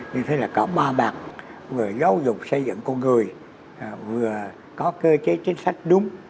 như thế là có ba mặt người giáo dục xây dựng con người vừa có cơ chế chính sách đúng